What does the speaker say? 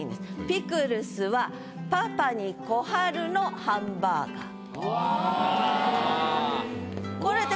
「ピクルスはパパに小春のハンバーガー」。